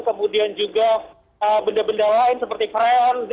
kemudian juga benda benda lain seperti kren